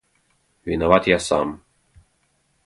Виноват я сам.